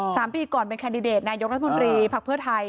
สามปีก่อนเป็นแคนดิเดตนายกรัฐมนตรีภักดิ์เพื่อไทย